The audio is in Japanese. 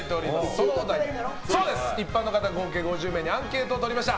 そのお題で一般の方合計５０名にアンケートを取りました。